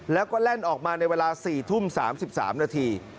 แล้วก็แล่นออกมาในเวลา๔ทุ่ม๓๓นาที